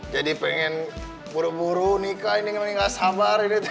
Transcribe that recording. jadi pengen buru buru nikah ini gak sabar ini tuh